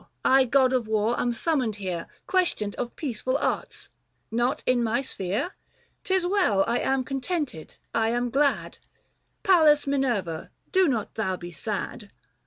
I, god of war, am summoned here Questioned of peaceful arts ; not in my sphere ? 'Tis well — I am cod tented, I am glad : Pallas Minerva do not thou be sad !